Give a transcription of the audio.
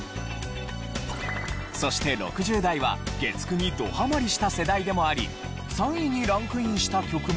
そして６０代は月９にどハマりした世代でもあり３位にランクインした曲も。